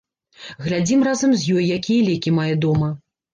Глядзім разам з ёй, якія лекі мае дома.